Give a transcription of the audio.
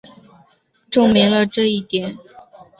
证明了这一点。